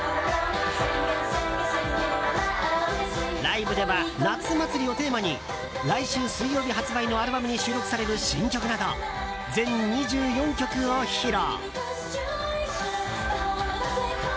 ライブでは、夏祭りをテーマに来週水曜日のアルバムに収録される新曲など全２４曲を披露。